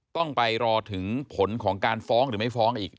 ต้องไปรอถึงผลของการฟ้องหรือไม่ฟ้องอีก